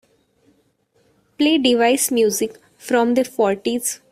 Play Device music from the fourties.